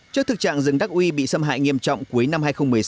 trước thực trạng rừng đắc uy bị xâm hại nghiêm trọng cuối năm hai nghìn một mươi sáu